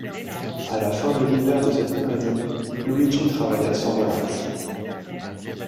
À la fin de l’hiver de cette même année, Luigi travailla sans relâche.